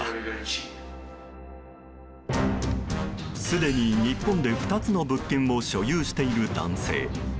すでに、日本で２つの物件を所有している男性。